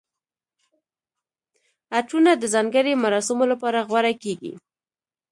عطرونه د ځانګړي مراسمو لپاره غوره کیږي.